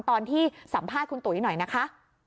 ตอนที่สัมภาษณ์คุณตุ๋ยหน่อยนะคะ